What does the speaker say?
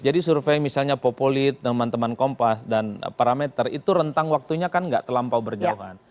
jadi survei misalnya populi teman teman kompas dan parameter itu rentang waktunya kan gak terlampau berjauhan